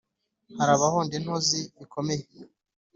hari abahonda intozi bikomeye,